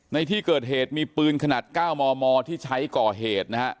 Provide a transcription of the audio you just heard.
ในที่เกิดเหตุมีปืนขนาด๙มมที่ใช้ก่อเหตุนะฮะ